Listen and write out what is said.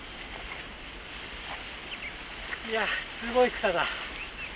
いやすごい草だ。